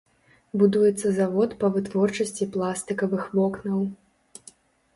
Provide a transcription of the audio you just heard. Будуецца завод па вытворчасці пластыкавых вокнаў.